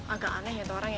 agak aneh itu orang ya